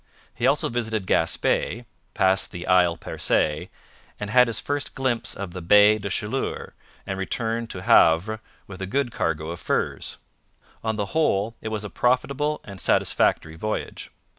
He also visited Gaspe, passed the Isle Percee, had his first glimpse of the Baie des Chaleurs, and returned to Havre with a good cargo of furs. On the whole, it was a profitable and satisfactory voyage.